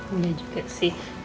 mudah juga sih